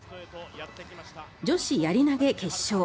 女子やり投げ決勝。